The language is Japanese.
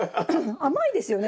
甘いですよね。